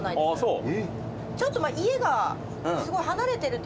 そう。